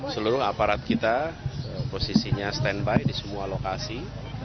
seluruh aparat kita posisinya stand by di semua lokasi